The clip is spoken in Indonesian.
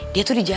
dia tuh di jalan